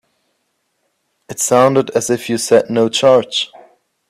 It sounded as if you said no charge.